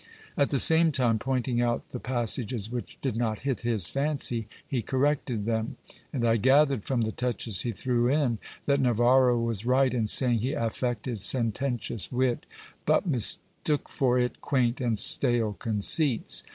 At the same time, pointing out the pas sages which did not hit his fancy, he corrected them ; and I gathered from the touches he threw in, that Navarro was right in saying he affected sententious wit, but mistook for it quaint and stale conceits.